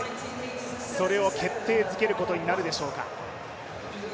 それを決定づけることになるでしょうか。